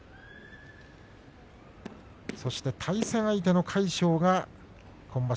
そして対戦相手の魁勝今場所